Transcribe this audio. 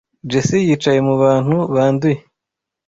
Jessie yicaye mubantu banduye.